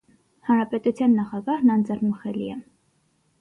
Հանրապետության նախագահն անձեռնմխելի է։